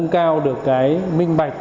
nâng cao được cái minh bạch